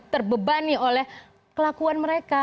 terbebani oleh kelakuan mereka